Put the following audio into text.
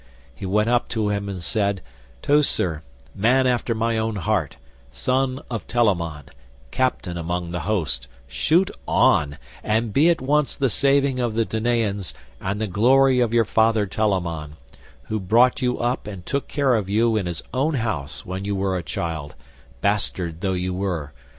He went up to him and said, "Teucer, man after my own heart, son of Telamon, captain among the host, shoot on, and be at once the saving of the Danaans and the glory of your father Telamon, who brought you up and took care of you in his own house when you were a child, bastard though you were.